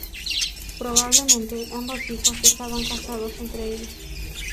Probablemente ambos hijos estaban casados entre ellos.